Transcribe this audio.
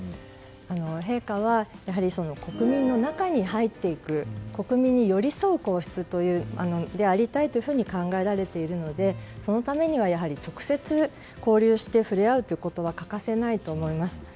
陛下は、国民の中に入っていく国民に寄り添う皇室でありたいというふうに考えられているのでそのためにはやはり直接、交流して触れ合うということは欠かせないと思います。